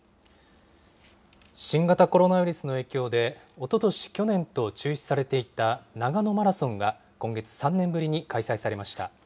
新型コロナウイルスの影響で、おととし、去年と中止されていた長野マラソンが、今月３年ぶりに開催されました。